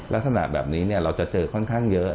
ลักษณะแบบนี้เราจะเจอค่อนข้างเยอะ